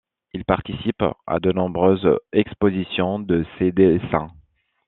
Il participe à de nombreuses expositions de ses dessins.